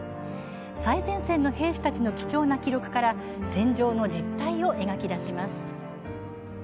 最前線の兵士たちの貴重な記録から戦場の実態を描き出します。